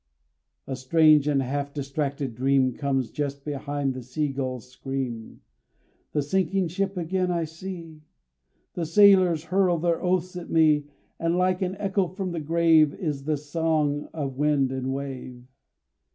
A strange and half distracted dream Comes just behind the sea gull's scream. The sinking ship again I see, The sailors hurl their oaths at me, And like an echo from the grave Is the sad song of wind and wave.